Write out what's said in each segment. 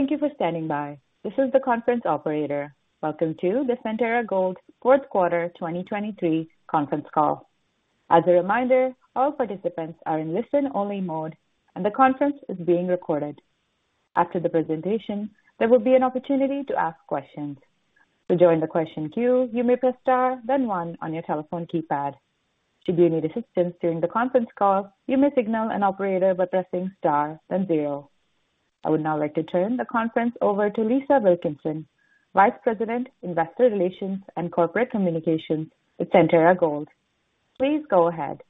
Thank you for standing by. This is the conference operator. Welcome to the Centerra Gold 4th Quarter 2023 conference call. As a reminder, all participants are in listen-only mode, and the conference is being recorded. After the presentation, there will be an opportunity to ask questions. To join the question queue, you may press star, then one on your telephone keypad. Should you need assistance during the conference call, you may signal an operator by pressing star, then zero. I would now like to turn the conference over to Lisa Wilkinson, Vice President, Investor Relations and Corporate Communications at Centerra Gold. Please go ahead.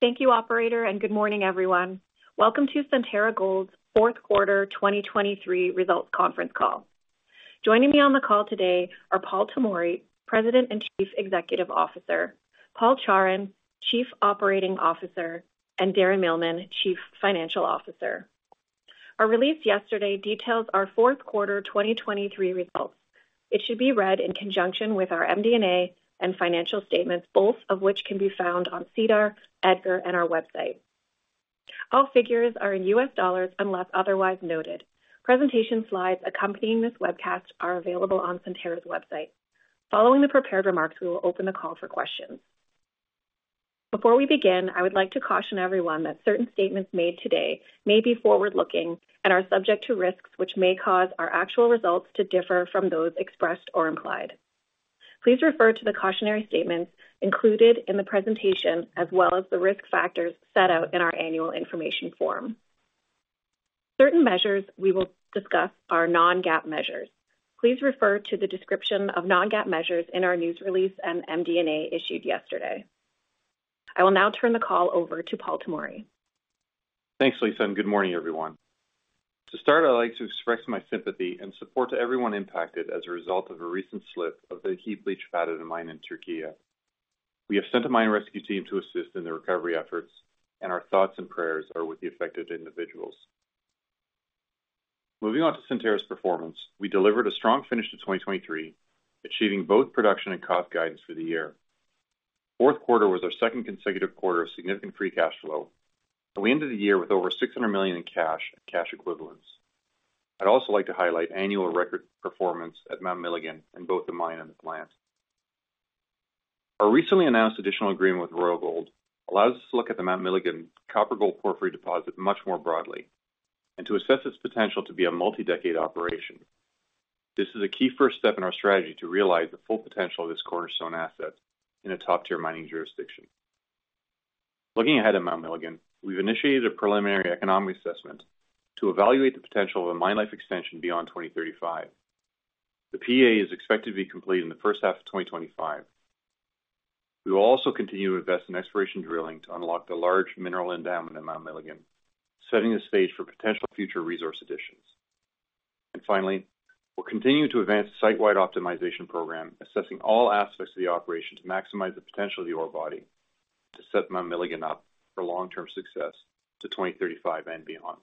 Thank you, operator, and good morning, everyone. Welcome to Centerra Gold's 4th Quarter 2023 results conference call. Joining me on the call today are Paul Tomory, President and Chief Executive Officer; Paul Chawrun, Chief Operating Officer; and Darren Millman, Chief Financial Officer. Our release yesterday details our 4th Quarter 2023 results. It should be read in conjunction with our MD&A and financial statements, both of which can be found on SEDAR, EDGAR, and our website. All figures are in U.S. dollars unless otherwise noted. Presentation slides accompanying this webcast are available on Centerra's website. Following the prepared remarks, we will open the call for questions. Before we begin, I would like to caution everyone that certain statements made today may be forward-looking and are subject to risks which may cause our actual results to differ from those expressed or implied. Please refer to the cautionary statements included in the presentation as well as the risk factors set out in our Annual Information Form. Certain measures we will discuss are non-GAAP measures. Please refer to the description of non-GAAP measures in our news release and MD&A issued yesterday. I will now turn the call over to Paul Tomory. Thanks, Lisa. Good morning, everyone. To start, I'd like to express my sympathy and support to everyone impacted as a result of a recent slip of the heap leach pad at the Öksüt mine in Turkey. We have sent a mine rescue team to assist in the recovery efforts, and our thoughts and prayers are with the affected individuals. Moving on to Centerra's performance, we delivered a strong finish to 2023, achieving both production and cost guidance for the year. Fourth quarter was our second consecutive quarter of significant free cash flow, and we ended the year with over $600 million in cash and cash equivalents. I'd also like to highlight annual record performance at Mount Milligan in both the mine and the plant. Our recently announced additional agreement with Royal Gold allows us to look at the Mount Milligan copper-gold porphyry deposit much more broadly and to assess its potential to be a multi-decade operation. This is a key first step in our strategy to realize the full potential of this cornerstone asset in a top-tier mining jurisdiction. Looking ahead at Mount Milligan, we've initiated a Preliminary Economic Assessment to evaluate the potential of a mine life extension beyond 2035. The PEA is expected to be complete in the first half of 2025. We will also continue to invest in exploration drilling to unlock the large mineral endowment at Mount Milligan, setting the stage for potential future resource additions. And finally, we'll continue to advance the site-wide optimization program, assessing all aspects of the operation to maximize the potential of the ore body and to set Mount Milligan up for long-term success to 2035 and beyond.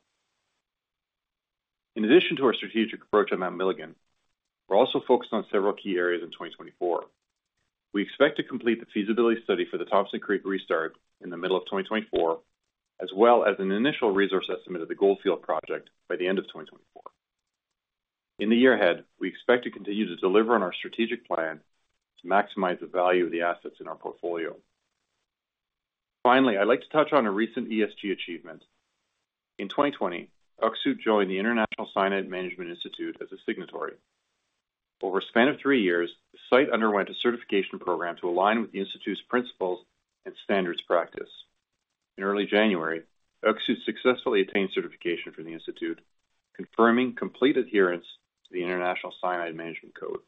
In addition to our strategic approach at Mount Milligan, we're also focused on several key areas in 2024. We expect to complete the feasibility study for the Thompson Creek restart in the middle of 2024, as well as an initial resource estimate of the Goldfield Project by the end of 2024. In the year ahead, we expect to continue to deliver on our strategic plan to maximize the value of the assets in our portfolio. Finally, I'd like to touch on a recent ESG achievement. In 2020, Öksüt joined the International Cyanide Management Institute as a signatory. Over a span of three years, the site underwent a certification program to align with the institute's principles and standards practice. In early January, Öksüt successfully attained certification from the institute, confirming complete adherence to the International Cyanide Management Code.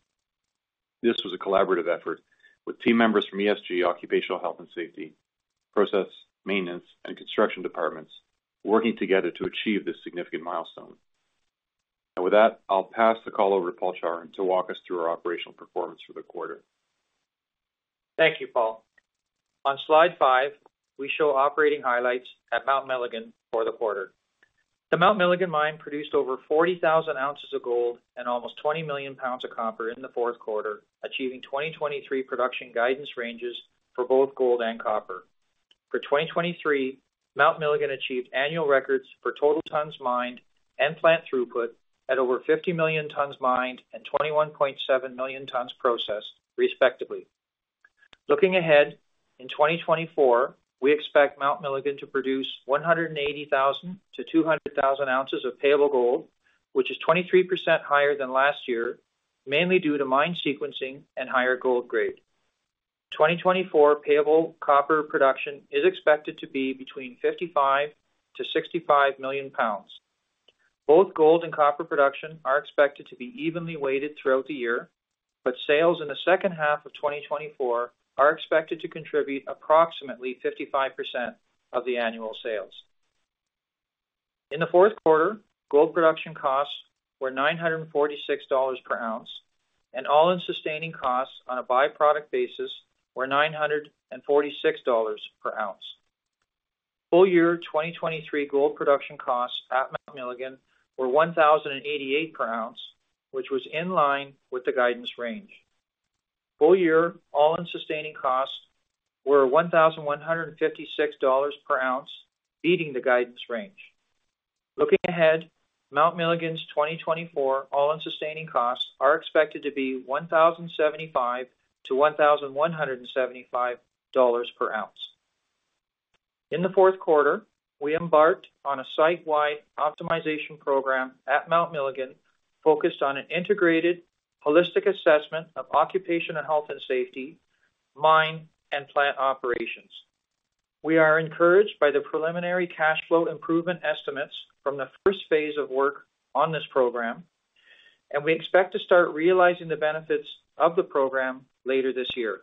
This was a collaborative effort with team members from ESG, Occupational Health and Safety, Process Maintenance, and Construction departments working together to achieve this significant milestone. And with that, I'll pass the call over to Paul Chawrun to walk us through our operational performance for the quarter. Thank you, Paul. On slide five, we show operating highlights at Mount Milligan for the quarter. The Mount Milligan Mine produced over 40,000 ounces of gold and almost 20 million pounds of copper in the fourth quarter, achieving 2023 production guidance ranges for both gold and copper. For 2023, Mount Milligan achieved annual records for total tons mined and plant throughput at over 50 million tons mined and 21.7 million tons processed, respectively. Looking ahead in 2024, we expect Mount Milligan to produce 180,000-200,000 ounces of payable gold, which is 23% higher than last year, mainly due to mine sequencing and higher gold grade. 2024 payable copper production is expected to be between 55-65 million pounds. Both gold and copper production are expected to be evenly weighted throughout the year, but sales in the second half of 2024 are expected to contribute approximately 55% of the annual sales. In the fourth quarter, gold production costs were $946 per ounce, and All-In Sustaining Costs on a byproduct basis were $946 per ounce. Full year 2023 gold production costs at Mount Milligan were $1,088 per ounce, which was in line with the guidance range. Full year All-In Sustaining Costs were $1,156 per ounce, beating the guidance range. Looking ahead, Mount Milligan's 2024 All-In Sustaining Costs are expected to be $1,075-$1,175 per ounce. In the fourth quarter, we embarked on a site-wide optimization program at Mount Milligan focused on an integrated, holistic assessment of occupational health and safety, mine, and plant operations. We are encouraged by the preliminary cash flow improvement estimates from the first phase of work on this program, and we expect to start realizing the benefits of the program later this year.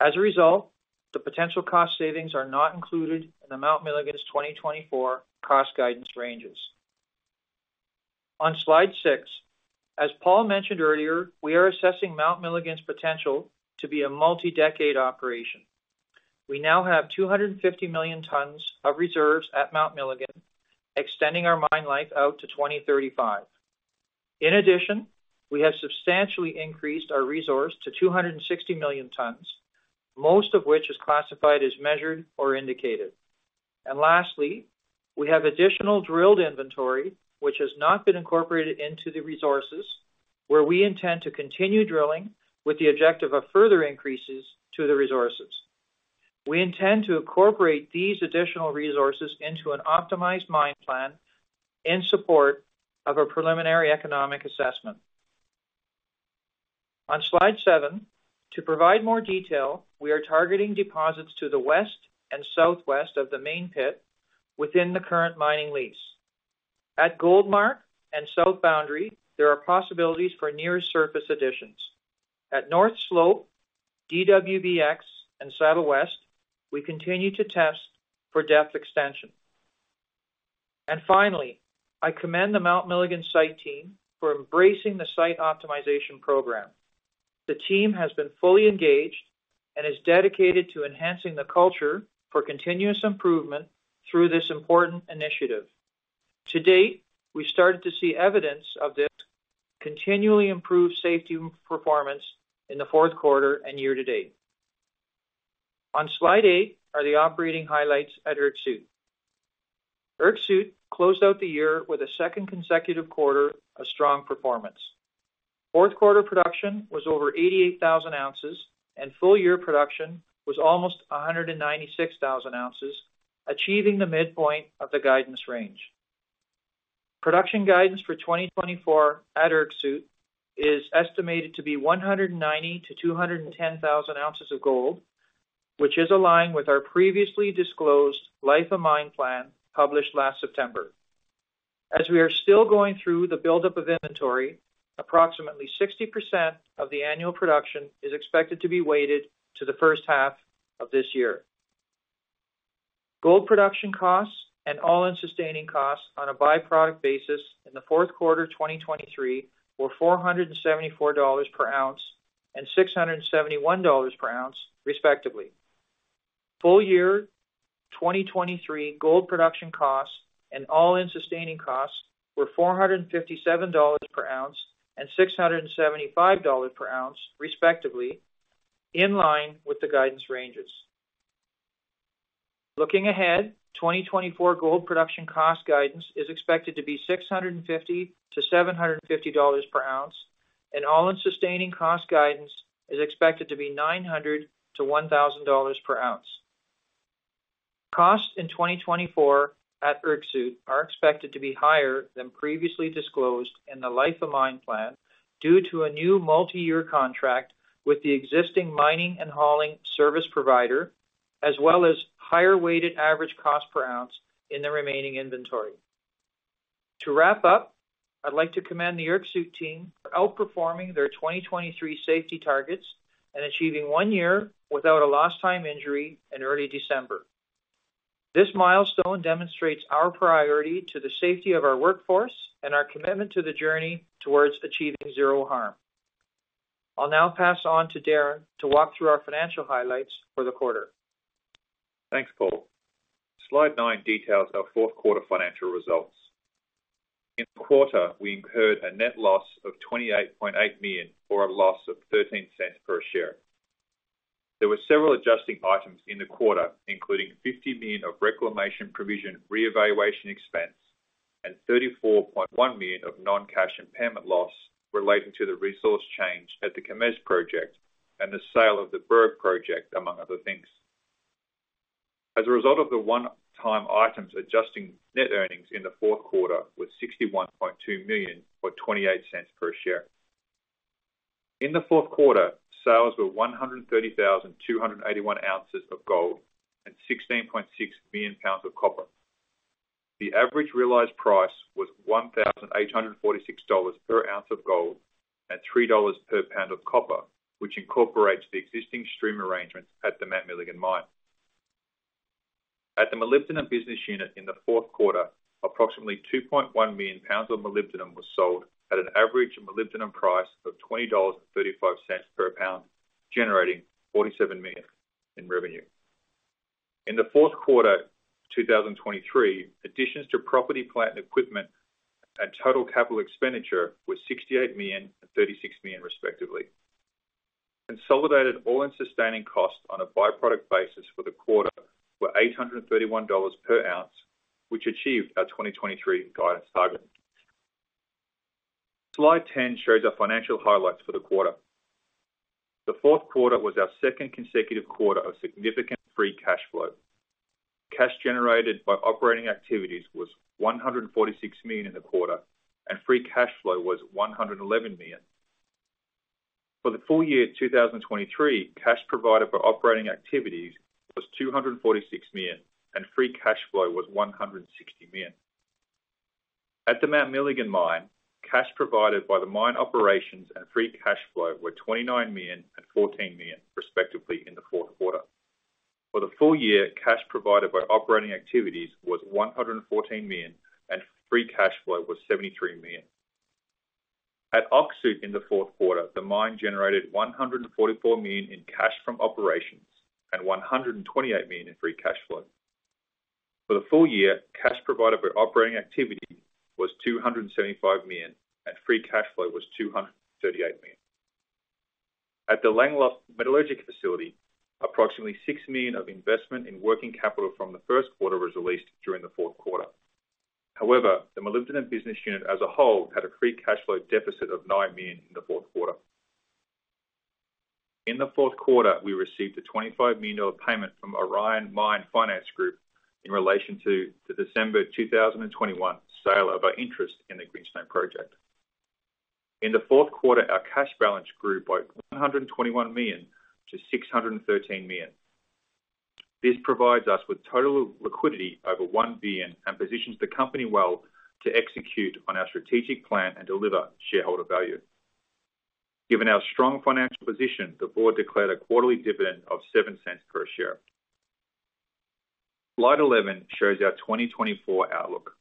As a result, the potential cost savings are not included in the Mount Milligan's 2024 cost guidance ranges. On slide six, as Paul mentioned earlier, we are assessing Mount Milligan's potential to be a multi-decade operation. We now have 250 million tons of reserves at Mount Milligan, extending our mine life out to 2035. In addition, we have substantially increased our resource to 260 million tons, most of which is classified as measured or indicated. And lastly, we have additional drilled inventory, which has not been incorporated into the resources, where we intend to continue drilling with the objective of further increases to the resources. We intend to incorporate these additional resources into an optimized mine plan in support of a preliminary economic assessment. On slide seven, to provide more detail, we are targeting deposits to the west and southwest of the main pit within the current mining lease. At Goldmark and South Boundary, there are possibilities for near-surface additions. At North Slope, DWBX, and Saddle West, we continue to test for depth extension. And finally, I commend the Mount Milligan site team for embracing the site optimization program. The team has been fully engaged and is dedicated to enhancing the culture for continuous improvement through this important initiative. To date, we've started to see evidence of this continually improved safety performance in the fourth quarter and year to date. On slide 8 are the operating highlights at Öksüt. Öksüt closed out the year with a second consecutive quarter of strong performance. Fourth quarter production was over 88,000 ounces, and full year production was almost 196,000 ounces, achieving the midpoint of the guidance range. Production guidance for 2024 at Öksüt is estimated to be 190,000-210,000 ounces of gold, which is aligned with our previously disclosed life of mine plan published last September. As we are still going through the buildup of inventory, approximately 60% of the annual production is expected to be weighted to the first half of this year. Gold production costs and All-In Sustaining Costs on a byproduct basis in the fourth quarter 2023 were $474 per ounce and $671 per ounce, respectively. Full year 2023 gold production costs and All-In Sustaining Costs were $457 per ounce and $675 per ounce, respectively, in line with the guidance ranges. Looking ahead, 2024 gold production cost guidance is expected to be $650-$750 per ounce, and All-in Sustaining Costs guidance is expected to be $900-$1,000 per ounce. Costs in 2024 at Öksüt are expected to be higher than previously disclosed in the life of mine plan due to a new multi-year contract with the existing mining and hauling service provider, as well as higher weighted average cost per ounce in the remaining inventory. To wrap up, I'd like to commend the Öksüt team for outperforming their 2023 safety targets and achieving one year without a lost time injury in early December. This milestone demonstrates our priority to the safety of our workforce and our commitment to the journey towards achieving zero harm. I'll now pass on to Darren to walk through our financial highlights for the quarter. Thanks, Paul. Slide nine details our fourth quarter financial results. In the quarter, we incurred a net loss of $28.8 million or a loss of $0.13 per share. There were several adjusting items in the quarter, including $50 million of reclamation provision reevaluation expense and $34.1 million of non-cash impairment loss relating to the resource change at the Kemess Project and the sale of the Berg Project, among other things. As a result of the one-time items adjusted net earnings in the fourth quarter was $61.2 million or $0.28 per share. In the fourth quarter, sales were 130,281 ounces of gold and 16.6 million pounds of copper. The average realized price was $1,846 per ounce of gold and $3 per pound of copper, which incorporates the existing stream arrangements at the Mount Milligan Mine. At the molybdenum business unit in the fourth quarter, approximately 2.1 million pounds of molybdenum was sold at an average molybdenum price of $20.35 per pound, generating $47 million in revenue. In the fourth quarter 2023, additions to property, plant, and equipment and total capital expenditure were $68 million and $36 million, respectively. Consolidated All-In Sustaining Costs on a byproduct basis for the quarter were $831 per ounce, which achieved our 2023 guidance target. Slide 10 shows our financial highlights for the quarter. The fourth quarter was our second consecutive quarter of significant free cash flow. Cash generated by operating activities was $146 million in the quarter, and free cash flow was $111 million. For the full year 2023, cash provided by operating activities was $246 million, and free cash flow was $160 million. At the Mount Milligan Mine, cash provided by the mine operations and free cash flow were $29 million and $14 million, respectively, in the fourth quarter. For the full year, cash provided by operating activities was $114 million, and free cash flow was $73 million. At Öksüt in the fourth quarter, the mine generated $144 million in cash from operations and $128 million in free cash flow. For the full year, cash provided by operating activities was $275 million, and free cash flow was $238 million. At the Langeloth Metallurgical Facility, approximately $6 million of investment in working capital from the first quarter was released during the fourth quarter. However, the molybdenum business unit as a whole had a free cash flow deficit of $9 million in the fourth quarter. In the fourth quarter, we received a $25 million payment from Orion Mine Finance Group in relation to the December 2021 sale of our interest in the Greenstone Project. In the fourth quarter, our cash balance grew by $121 million to $613 million. This provides us with total liquidity over $1 billion and positions the company well to execute on our strategic plan and deliver shareholder value. Given our strong financial position, the board declared a quarterly dividend of $0.07 per share. Slide 11 shows our 2024 outlook.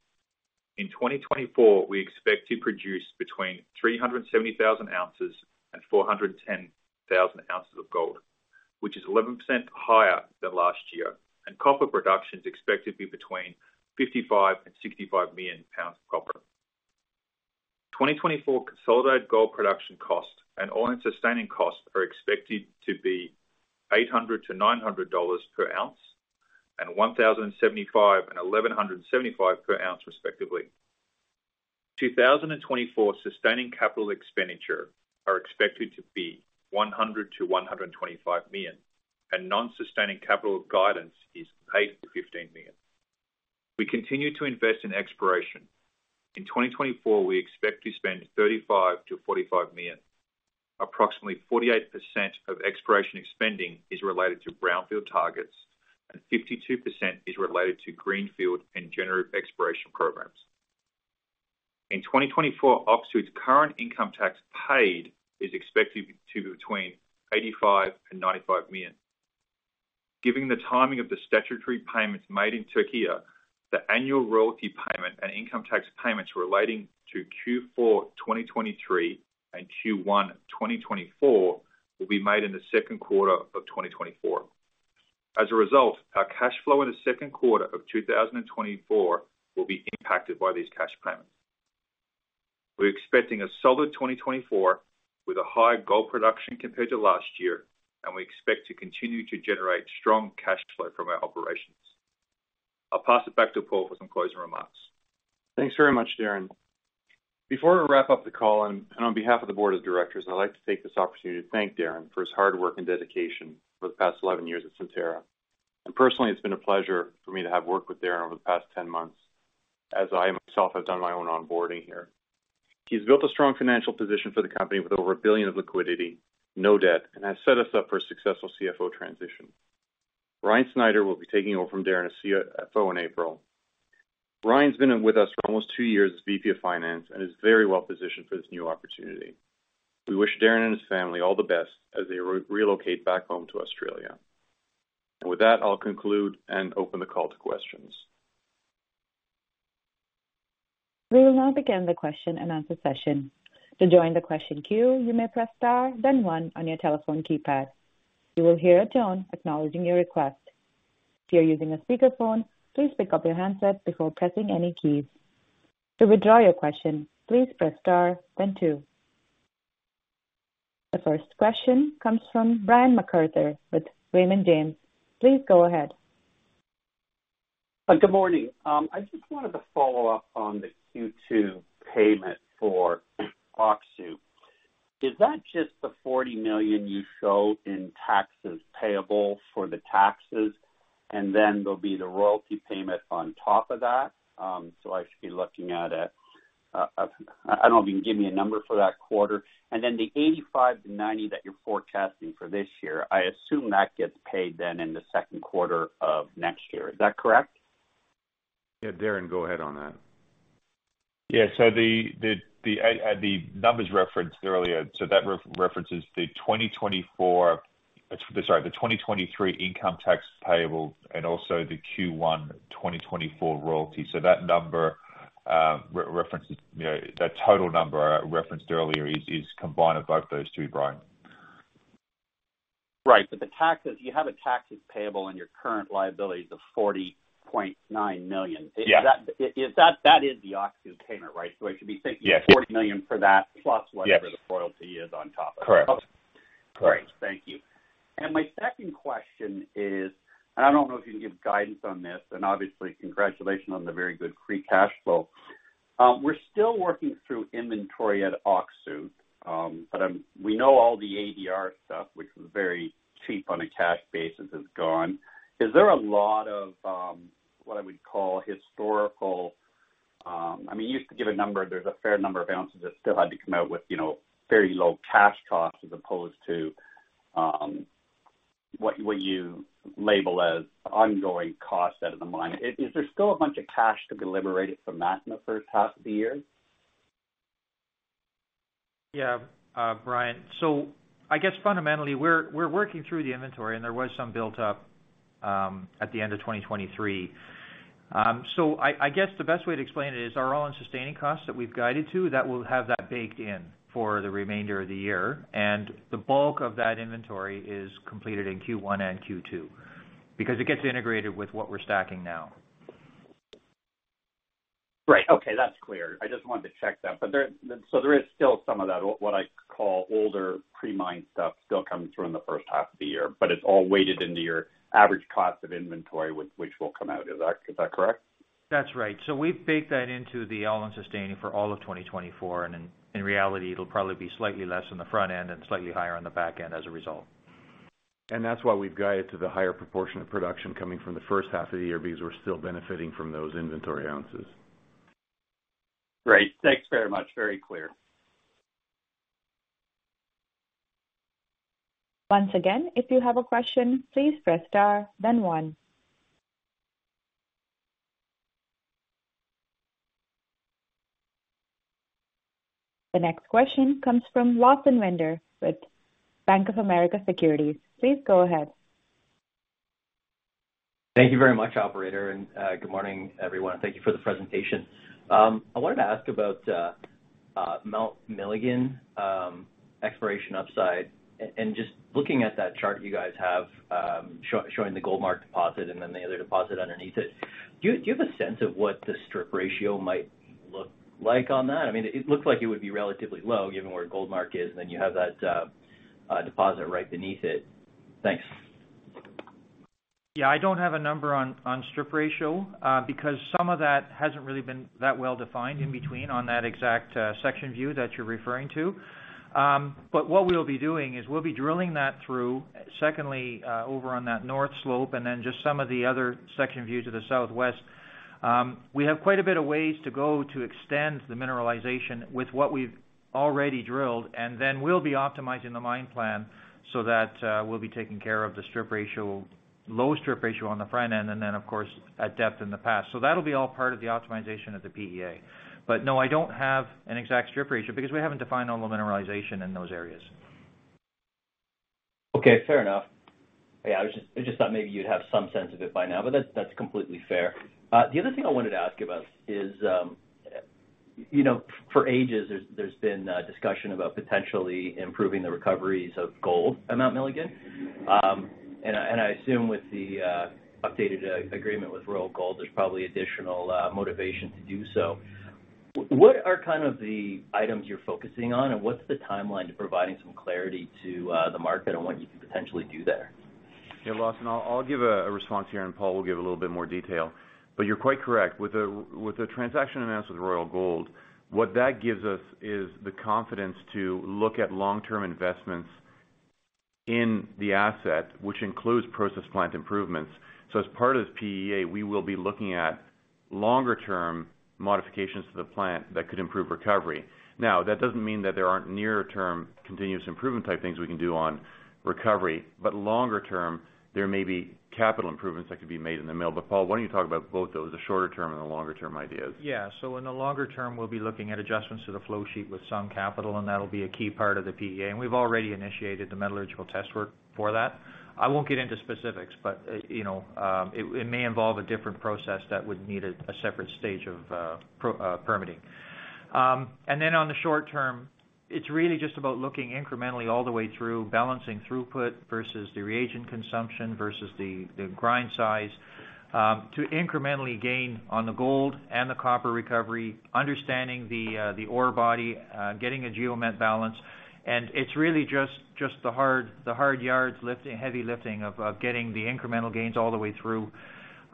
In 2024, we expect to produce between 370,000-410,000 ounces of gold, which is 11% higher than last year, and copper production is expected to be between 55-65 million pounds of copper. 2024 consolidated gold production costs and All-In Sustaining Costs are expected to be $800-$900 per ounce and $1,075-$1,175 per ounce, respectively. 2024 sustaining capital expenditures are expected to be $100 million-$125 million, and non-sustaining capital guidance is $8 million-$15 million. We continue to invest in exploration. In 2024, we expect to spend $35 million-$45 million. Approximately 48% of exploration expenditures is related to brownfield targets, and 52% is related to greenfield and generative exploration programs. In 2024, Öksüt's current income tax paid is expected to be between $85 million and $95 million. Given the timing of the statutory payments made in Turkey, the annual royalty payment and income tax payments relating to Q4 2023 and Q1 2024 will be made in the second quarter of 2024. As a result, our cash flow in the second quarter of 2024 will be impacted by these cash payments. We're expecting a solid 2024 with a high gold production compared to last year, and we expect to continue to generate strong cash flow from our operations. I'll pass it back to Paul for some closing remarks. Thanks very much, Darren. Before we wrap up the call, and on behalf of the board of directors, I'd like to take this opportunity to thank Darren for his hard work and dedication over the past 11 years at Centerra. And personally, it's been a pleasure for me to have worked with Darren over the past 10 months, as I myself have done my own onboarding here. He's built a strong financial position for the company with over $1 billion of liquidity, no debt, and has set us up for a successful CFO transition. Ryan Snyder will be taking over from Darren as CFO in April. Ryan's been with us for almost two years as VP of Finance and is very well positioned for this new opportunity. We wish Darren and his family all the best as they relocate back home to Australia. With that, I'll conclude and open the call to questions. We will now begin the question and answer session. To join the question queue, you may press star, then one on your telephone keypad. You will hear a tone acknowledging your request. If you're using a speakerphone, please pick up your handset before pressing any keys. To withdraw your question, please press star, then two. The first question comes from Brian MacArthur with Raymond James. Please go ahead. Good morning. I just wanted to follow up on the Q2 payment for Öksüt. Is that just the $40 million you show in taxes payable for the taxes, and then there'll be the royalty payment on top of that? So I should be looking at a I don't know if you can give me a number for that quarter. And then the $85 million-$90 million that you're forecasting for this year, I assume that gets paid then in the second quarter of next year. Is that correct? Yeah, Darren, go ahead on that. Yeah, so the number's referenced earlier. So that references the 2024, sorry, the 2023 income tax payable and also the Q1 2024 royalty. So that number references that total number referenced earlier is combined of both those two, Brian. Right. But the taxes, you have a taxes payable on your current liabilities of $40.9 million. That is the Öksüt payment, right? So I should be thinking $40 million for that plus whatever the royalty is on top of it. Correct. Okay. Great. Thank you. And my second question is, and I don't know if you can give guidance on this, and obviously, congratulations on the very good free cash flow. We're still working through inventory at Öksüt, but we know all the ADR stuff, which was very cheap on a cash basis, is gone. Is there a lot of what I would call historical I mean, you used to give a number. There's a fair number of ounces that still had to come out with very low cash costs as opposed to what you label as ongoing costs out of the mine. Is there still a bunch of cash to be liberated from that in the first half of the year? Yeah, Brian. So I guess fundamentally, we're working through the inventory, and there was some built up at the end of 2023. So I guess the best way to explain it is our All-In Sustaining Costs that we've guided to, that will have that baked in for the remainder of the year. And the bulk of that inventory is completed in Q1 and Q2 because it gets integrated with what we're stacking now. Right. Okay. That's clear. I just wanted to check that. So there is still some of that, what I call older pre-mine stuff, still coming through in the first half of the year, but it's all weighted into your average cost of inventory, which will come out. Is that correct? That's right. So we've baked that into the All-In Sustaining Costs for all of 2024. And in reality, it'll probably be slightly less on the front end and slightly higher on the back end as a result. That's why we've guided to the higher proportion of production coming from the first half of the year because we're still benefiting from those inventory ounces. Great. Thanks very much. Very clear. Once again, if you have a question, please press star, then one. The next question comes from Lawson Winder with Bank of America Securities. Please go ahead. Thank you very much, operator. Good morning, everyone. Thank you for the presentation. I wanted to ask about Mount Milligan exploration upside. Just looking at that chart you guys have showing the Goldmark deposit and then the other deposit underneath it, do you have a sense of what the strip ratio might look like on that? I mean, it looks like it would be relatively low given where Goldmark is, and then you have that deposit right beneath it. Thanks. Yeah, I don't have a number on strip ratio because some of that hasn't really been that well defined in between on that exact section view that you're referring to. But what we'll be doing is we'll be drilling that through. Secondly, over on that North Slope and then just some of the other section views to the southwest, we have quite a bit of ways to go to extend the mineralization with what we've already drilled. And then we'll be optimizing the mine plan so that we'll be taking care of the low strip ratio on the front end and then, of course, at depth in the past. So that'll be all part of the optimization of the PEA. But no, I don't have an exact strip ratio because we haven't defined all the mineralization in those areas. Okay. Fair enough. Yeah, I just thought maybe you'd have some sense of it by now, but that's completely fair. The other thing I wanted to ask about is for ages, there's been discussion about potentially improving the recoveries of gold at Mount Milligan. And I assume with the updated agreement with Royal Gold, there's probably additional motivation to do so. What are kind of the items you're focusing on, and what's the timeline to providing some clarity to the market on what you can potentially do there? Yeah, Lawson, I'll give a response here, and Paul will give a little bit more detail. But you're quite correct. With a transaction announced with Royal Gold, what that gives us is the confidence to look at long-term investments in the asset, which includes process plant improvements. So as part of this PEA, we will be looking at longer-term modifications to the plant that could improve recovery. Now, that doesn't mean that there aren't near-term continuous improvement type things we can do on recovery. But longer-term, there may be capital improvements that could be made in the mill. But Paul, why don't you talk about both those, the shorter-term and the longer-term ideas? Yeah. So in the longer term, we'll be looking at adjustments to the flow sheet with some capital, and that'll be a key part of the PEA. And we've already initiated the metallurgical test work for that. I won't get into specifics, but it may involve a different process that would need a separate stage of permitting. And then on the short term, it's really just about looking incrementally all the way through, balancing throughput versus the reagent consumption versus the grind size to incrementally gain on the gold and the copper recovery, understanding the ore body, getting a geomet balance. And it's really just the hard yards, heavy lifting of getting the incremental gains all the way through.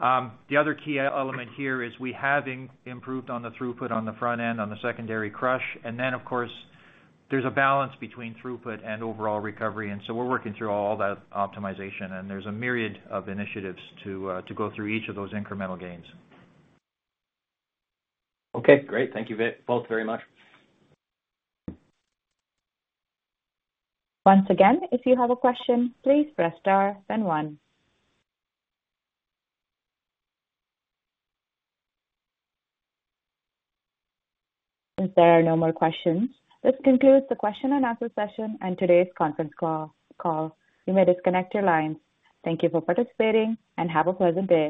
The other key element here is we have improved on the throughput on the front end, on the secondary crush. And then, of course, there's a balance between throughput and overall recovery. And so we're working through all that optimization, and there's a myriad of initiatives to go through each of those incremental gains. Okay. Great. Thank you both very much. Once again, if you have a question, please press star, then one. Since there are no more questions, this concludes the question and answer session and today's conference call. You may disconnect your lines. Thank you for participating, and have a pleasant day.